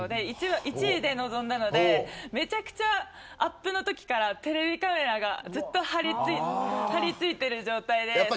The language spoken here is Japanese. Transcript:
１位で臨んだのでアップのときからテレビカメラがずっと張り付いている状態で。